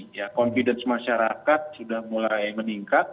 ya confidence masyarakat sudah mulai meningkat